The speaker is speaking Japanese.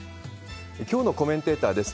きょうのコメンテーターです。